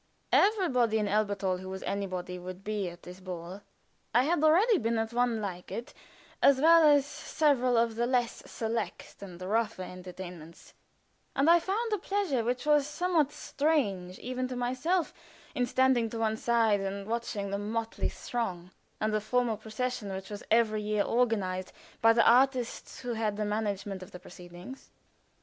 Everybody in Elherthal who was anybody would be at this ball. I had already been at one like it, as well as at several of the less select and rougher entertainments, and I found a pleasure which was somewhat strange even to myself in standing to one side and watching the motley throng and the formal procession which was every year organized by the artists who had the management of the proceedings.